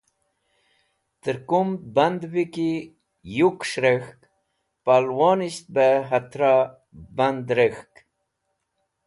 Tẽr kumd bandvi ki yuks̃h rek̃hk polẽwonisht bẽ hatra band rek̃hk.